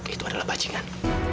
itu adalah bajingan